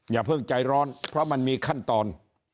อย่าเพิ่งใจร้อนเพราะมันมีขั้นตอน